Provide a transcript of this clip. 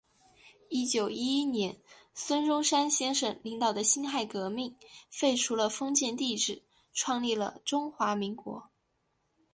一九一一年孙中山先生领导的辛亥革命，废除了封建帝制，创立了中华民国。